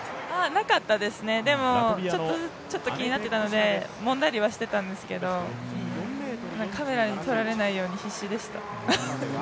なかったですね、でもちょっと気になっていたのでもんだりはしてたんですけど、カメラに撮られないように必死でした。